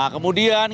kemudian kita laporkan